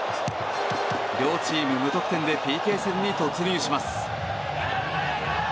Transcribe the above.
両チーム無得点でＰＫ戦に突入します。